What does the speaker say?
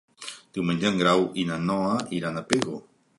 Diumenge en Grau i na Noa iran a Pego.